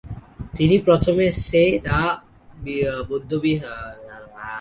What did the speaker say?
তিনি প্রথমে সে-রা বৌদ্ধবিহার বিশ্ববিদ্যালয়ে ও পরবর্তীকালে গ্যুতো তন্ত্র মহাবিদ্যালয়ে শিক্ষালাভ করেন।